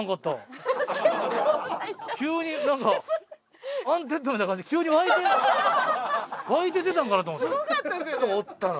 急になんかアンデッドみたいな感じで急に湧いて湧いて出たんかなと思った。